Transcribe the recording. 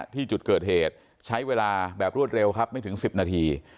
ที่จุดเกิดเหตุใช้เวลาแบบรวดเร็วครับไม่ถึง๑๐นาที